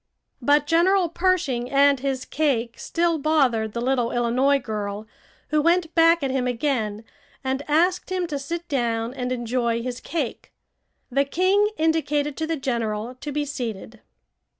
But General Pershing and his cake still bothered the little Illinois girl, who went back at him again and asked him to sit down and enjoy his cake. The king indicated to the general to be seated.